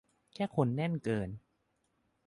แค่คนแน่นเกิน